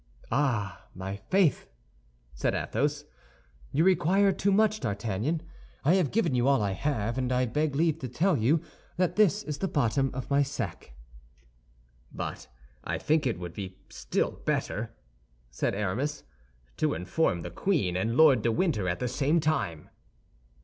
"Ah, my faith!" said Athos, "you require too much, D'Artagnan. I have given you all I have, and I beg leave to tell you that this is the bottom of my sack." "But I think it would be still better," said Aramis, "to inform the queen and Lord de Winter at the same time."